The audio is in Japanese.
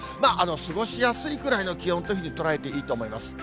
過ごしやすいぐらいの気温というふうに捉えていいと思います。